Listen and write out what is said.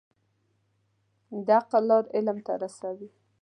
د عقل لار علم ته رسوي.